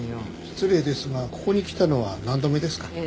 失礼ですがここに来たのは何度目ですかね？